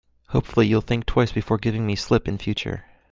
Hopefully, you'll think twice before giving me the slip in future.